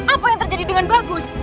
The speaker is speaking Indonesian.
apa yang terjadi dengan bagus